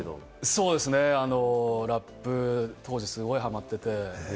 そうですね、ラップ、当時ハマってて。